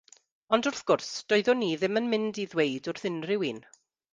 Ond wrth gwrs, doeddwn i ddim yn mynd i ddweud wrth unrhyw un.